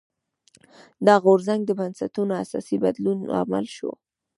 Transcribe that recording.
دا غورځنګ د بنسټونو اساسي بدلون لامل شو.